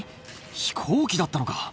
飛行機だったのか。